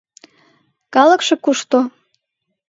Калыкше кушто -